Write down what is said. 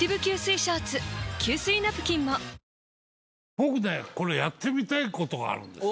僕ねこれやってみたいことがあるんですよ。